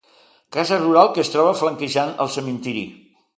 Casa rural que es troba flanquejant el cementiri.